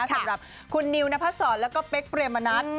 ขอบคุณนิวนภัษษรและก็เป๊กเปรมมานัด